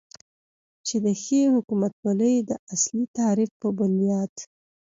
چې د ښې حکومتولې داصلي تعریف په بنیاد